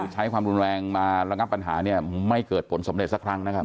ใช้ความรุนแรงมาระงับปัญหาเนี่ยไม่เกิดผลสำเร็จสักครั้งนะครับ